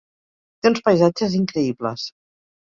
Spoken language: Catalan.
Té uns paisatges increïbles.